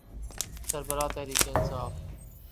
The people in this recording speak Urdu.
سربراہ تحریک انصاف۔